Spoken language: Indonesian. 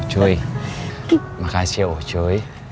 uncuy makasih ya uncuy